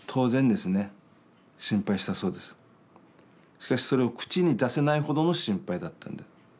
しかしそれを口に出せないほどの心配だった。